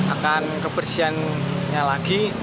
akan kebersihannya lagi